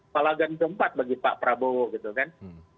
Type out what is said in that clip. palagan keempat bagi pak prabowo gitu kan